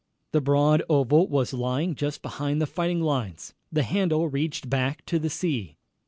The broad oval was lying just behind the fighting lines. The handle reached back to the sea.